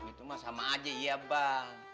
itu mah sama aja iya bang